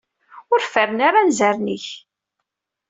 Ur ferren ara anzaren-ik!